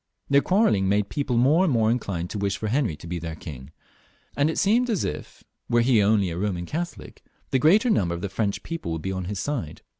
Their quarrelling made people more and more inclined to wish for Henry to be their king, and it seemed as it were he only a Boman Catholic, the greater number of the French people would be on his side.